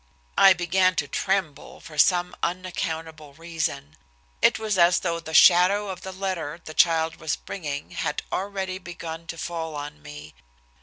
I began to tremble, for some unaccountable reason. It was as though the shadow of the letter the child was bringing had already begun to fall on me.